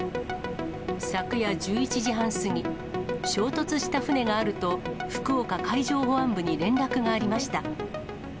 昨夜１１時半過ぎ、衝突した船があると、福岡海上保安部に連絡がありました。